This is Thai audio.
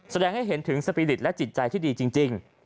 แสดงให้เห็นถึงสปีริตและจิตใจที่ดีจริง